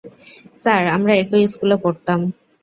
Sir, আমরা একই স্কুলে পড়তাম।